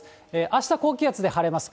あした高気圧で晴れます。